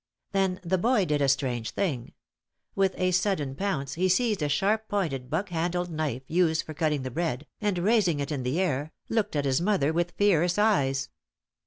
Then the boy did a strange thing. With a sudden pounce he seized a sharp pointed, buck handled knife used for cutting the bread, and, raising it in the air, looked at his mother with fierce eyes.